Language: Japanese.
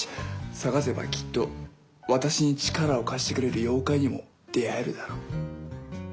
探せばきっと私に力を貸してくれる妖怪にも出会えるだろう。